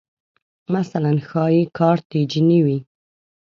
مثلاً ښایي کارتیجني وې